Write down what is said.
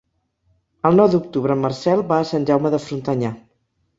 El nou d'octubre en Marcel va a Sant Jaume de Frontanyà.